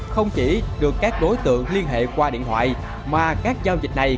không chỉ được các đối tượng liên hệ qua điện thoại mà các giao dịch này